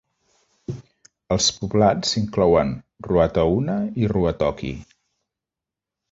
Els poblats inclouen Ruatahuna i Ruatoki.